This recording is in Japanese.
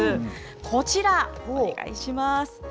こちら、お願いします。